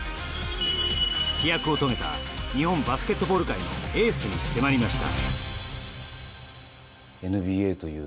飛躍を遂げた日本バスケットボール界のエースに迫りました。